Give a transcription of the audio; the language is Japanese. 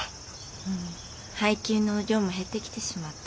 うん配給の量も減ってきてしまって。